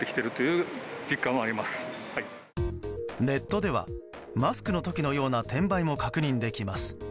ネットでは、マスクの時のような転売も確認できます。